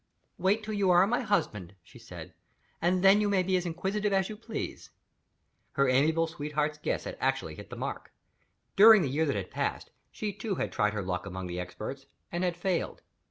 "Wait till you are my husband," she said, "and then you may be as inquisitive as you please." Her amiable sweetheart's guess had actually hit the mark. During the year that had passed, she too had tried her luck among the Experts, and had failed.